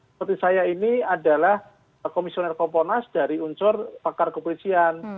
seperti saya ini adalah komisioner komponas dari unsur pakar kepolisian